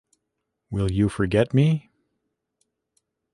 Will you forget me?